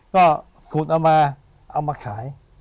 ก็ขุดเอามาเอามาขาย